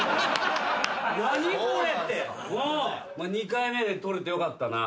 ２回目で取れてよかったな。